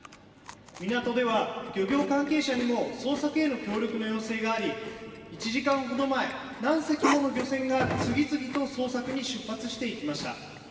港では、漁業関係者にも捜索への協力の要請があり、１時間ほど前、何隻もの漁船が次々と捜索に出発していきました。